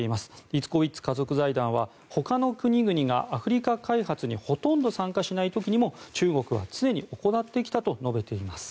イツコウィッツ家族財団はほかの国々がアフリカ開発にほとんど参加しない時にも中国は常に行ってきたと述べています。